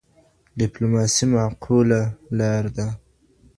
ډیپلوماسي معقوله لار ده.